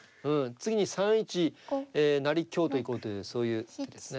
次に３一成香と行こうというそういう手ですね。